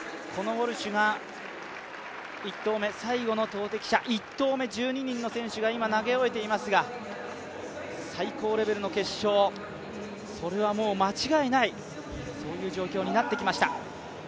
ウォルシュが１投目最後の投てき者、１投目を１２人の選手が投げ終えていますが最高レベルの決勝、それはもう間違いないという状況になってきました。